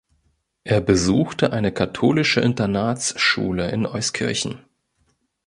Er besuchte eine katholische Internatsschule in Euskirchen.